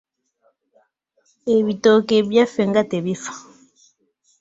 Ebitooke ebyaffe nga tebifa.